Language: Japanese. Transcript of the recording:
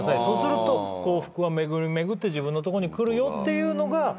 そうすると幸福は巡り巡って自分のとこにくるよっていうのが。